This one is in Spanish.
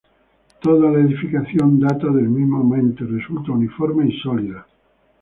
Toda la edificación data del mismo momento y resulta uniforme y sólida.